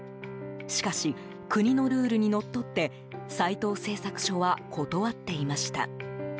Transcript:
しかし、国のルールにのっとって斎藤製作所は断っていました。